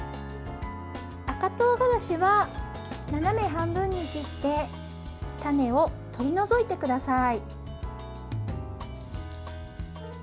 赤とうがらしは斜め半分に切って種を取り除いてください。